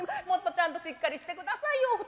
もっとちゃんとしっかりして下さいよ